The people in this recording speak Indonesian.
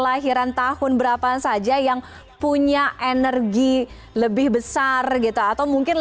maka angka yang terbaik itu adalah angka yang bisa berkesinambungan